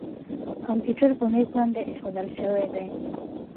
کمپیوټر په مېز باندې اېښودل شوی دی.